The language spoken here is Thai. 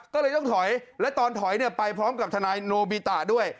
ก็เลยต้องถอยและตอนถอยไปพร้อมกับทนายโนบิตะด้วย